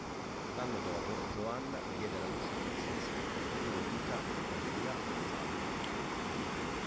L'anno dopo, Joanna diede alla luce Francesco, futuro Duca di Gandia e Santo.